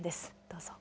どうぞ。